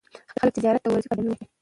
خلک چې زیارت ته ورځي، په درناوي ورځي.